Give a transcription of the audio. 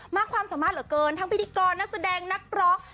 ความสามารถเหลือเกินทั้งพิธีกรนักแสดงนักร้อง